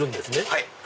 はい。